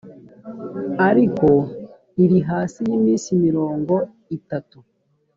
ariko iri hasi y’iminsi mirongo itatu